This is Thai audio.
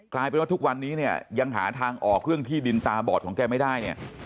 กลายเป็นว่าทุกวันนี้เนี่ยยังหาทางออกเรื่องที่ดินตาบอดของแกไม่ได้เนี่ย